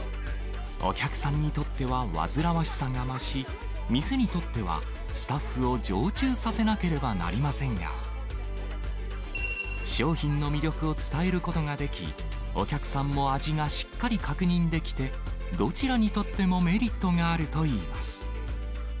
お客さんにとっては、煩わしさが増し、店にとっては、スタッフを常駐させなければなりませんが、商品の魅力を伝えることができ、お客さんも味がしっかり確認できて、どちらにとってもメリットがあるといいます。